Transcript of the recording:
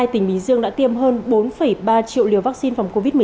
tỉnh bình dương đã tiêm hơn bốn ba triệu liều vaccine phòng covid một mươi chín